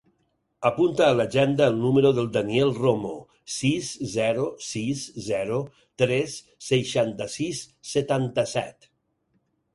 Apunta a l'agenda el número del Daniel Romo: sis, zero, sis, zero, tres, seixanta-sis, setanta-set.